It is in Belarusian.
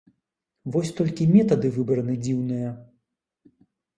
Вось толькі метады выбраны дзіўныя.